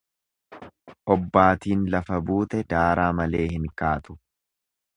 Obbaatiin lafa buute daaraa malee hin kaatu.